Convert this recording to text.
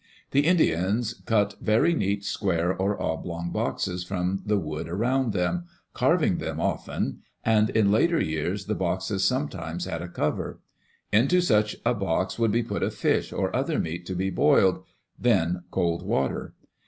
The Indians cut very neat square or oblong boxes from the wood about them, carving diem often, and in later years the boxes sometimes had a cover. Into such a box would be put a fish or other meat to be boiled, then cold water.